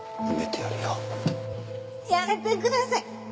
やっやめてください